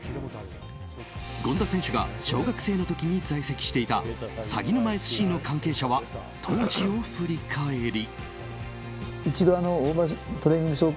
権田選手が小学生の時に在籍していたさぎぬまＳＣの関係者は当時を振り返り。